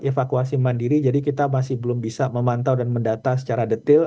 evakuasi mandiri jadi kita masih belum bisa memantau dan mendata secara detail